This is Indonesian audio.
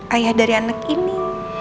ayah dari anak ini